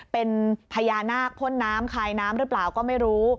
เป็นพญานาคพ่นน้ำคายน้ำหรือเปล่าก็ไม่รู้